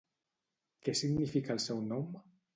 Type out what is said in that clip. Què significa el seu nom?